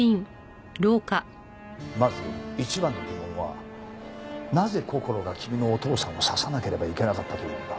まず一番の疑問はなぜこころが君のお父さんを刺さなければいけなかったというのか。